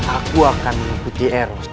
aku akan mengikuti eros